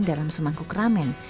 dalam semangkuk ramen